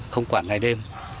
không quản ngày đêm